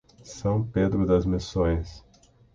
São Pedro das Missões